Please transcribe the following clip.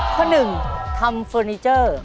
ข้อหนึ่งทำเฟอร์นิเจอร์